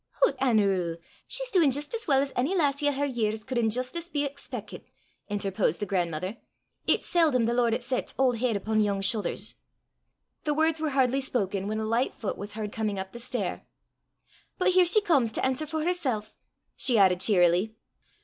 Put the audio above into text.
"Hoot, Anerew! she's duin' jist as weel as ony lassie o' her years could in justice be expeckit," interposed the grandmother. "It's seldom 'at the Lord sets auld heid upo' yoong shoothers." The words were hardly spoken when a light foot was heard coming up the stair. " But here she comes to answer for hersel'!" she added cheerily.